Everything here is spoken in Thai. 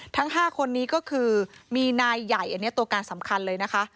ทั้ง๕คนนี้ก็คือมีนายใหญ่อันนี้ตัวการสำคัญเลยนะคะ